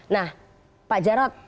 nah pak jarod